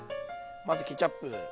まずケチャップ。